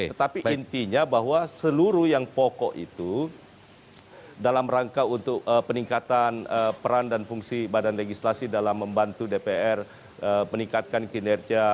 tetapi intinya bahwa seluruh yang pokok itu dalam rangka untuk peningkatan peran dan fungsi badan legislasi dalam membantu dpr meningkatkan kinerja